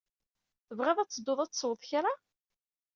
Tebɣiḍ ad tedduḍ ad tesweḍ kra?